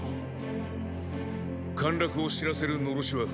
陥落を知らせる狼煙は？